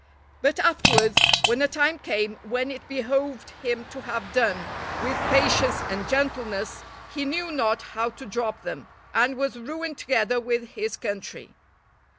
But, afterwards, when a time came when it behoved him to have done with patience and gentleness, he knew not how to drop them, and was ruined together with his country.